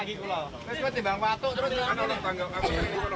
di tempat yang asli di jemaah